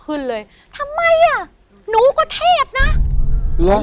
ขึ้นเลยทำไมอะหนูก็เทพนะ